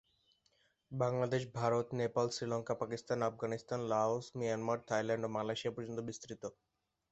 Bangladesh, Bharat, Nepal, Sri Lanka, Pakistan, Afghanistan, Laos, Myanmar, Thailand ও Malaysia পর্যন্ত বিস্তৃত।